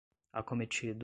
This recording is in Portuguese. acometido